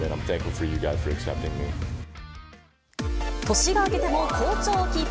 年が明けても、好調をキープ。